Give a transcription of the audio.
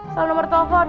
salah nomor telepon